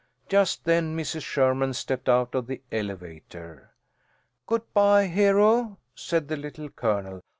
Just then Mrs. Sherman stepped out of the elevator. "Good bye, Hero," said the Little Colonel.